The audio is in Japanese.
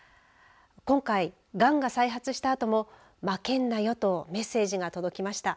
今回、がんが再発したあともまけんなよとメッセージが届きました。